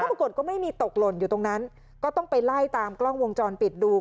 ปรากฏก็ไม่มีตกหล่นอยู่ตรงนั้นก็ต้องไปไล่ตามกล้องวงจรปิดดู